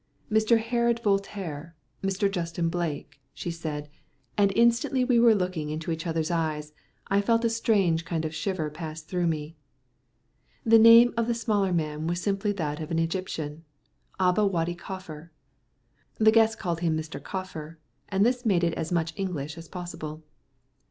"Mr. Herod Voltaire Mr. Justin Blake," she said; and instantly we were looking into each other's eyes, I feeling a strange kind of shiver pass through me. The name of the smaller man was simply that of an Egyptian, "Aba Wady Kaffar." The guests called him Mr. Kaffar, and thus made it as much English as possible.